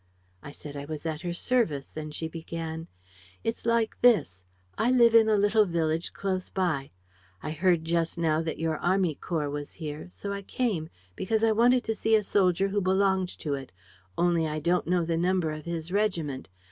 I said I was at her service and she began, 'It's like this: I live in a little village close by. I heard just now that your army corps was here. So I came, because I wanted to see a soldier who belonged to it, only I don't know the number of his regiment.